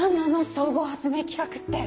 総合発明企画って。